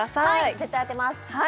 絶対当てます！